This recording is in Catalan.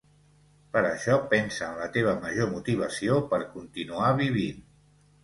Per això pensa en la teva major motivació per continuar vivint.